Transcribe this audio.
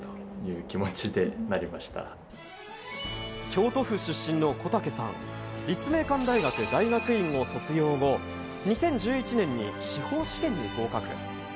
京都府出身の小竹さん、立命館大学大学院を卒業後、２０１１年に司法試験に合格。